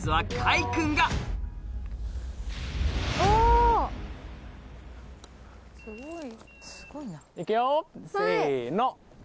えすごい！